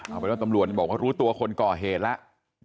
เอาเป็นว่าตำรวจบอกว่ารู้ตัวคนก่อเหตุแล้ว